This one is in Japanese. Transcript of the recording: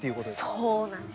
そうなんです。